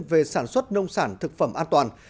về sản xuất nông sản thực phẩm an toàn